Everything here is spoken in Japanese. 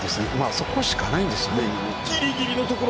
そこしかないんですね。